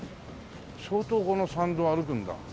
相当この参道を歩くんだ。